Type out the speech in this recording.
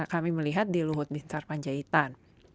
kami melihat di luhut bintar panjaitan